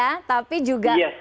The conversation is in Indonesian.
betul sekali ya